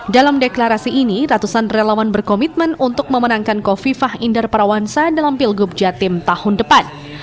dalam deklarasi ini ratusan relawan berkomitmen untuk memenangkan kofifah indar parawansa dalam pilgub jatim tahun depan